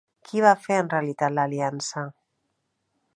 Qui va fer en realitat l'aliança?